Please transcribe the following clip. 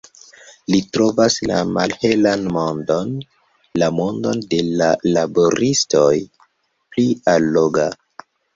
Li trovas la malhelan mondon, la mondon de la laboristoj, pli alloga.